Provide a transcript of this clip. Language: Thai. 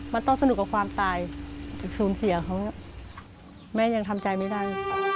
มันต้องสนุกกับความตายสูญเสียเขาแม่ยังทำใจไม่ได้